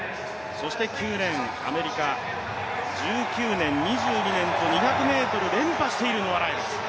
そして９レーン、アメリカ、１９年、２２年と２００ｍ連覇しているノア・ライルズ。